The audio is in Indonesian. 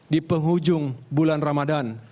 di penghujung bulan ramadhan